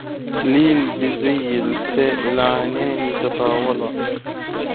ليل بذي الأثل عناني تطاوله